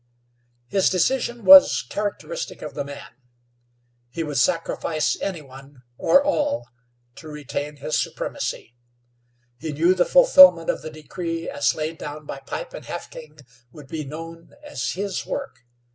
His decision was characteristic of the man. He would sacrifice any one, or all, to retain his supremacy. He knew the fulfillment of the decree as laid down by Pipe and Half King would be known as his work.